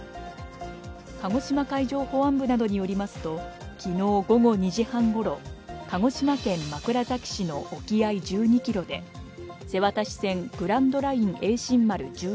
鹿児島海上保安部などによりますと昨日午後２時半ごろ鹿児島県枕崎市の沖合１２ｋｍで瀬渡し船「グランドライン栄真丸」